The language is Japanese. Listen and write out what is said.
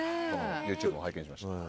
ＹｏｕＴｕｂｅ拝見しました。